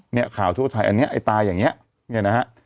เนี่ยข่าวทั่วไทยอันนี้ไอ้ตาอย่างนี้เนี่ยนะฮะ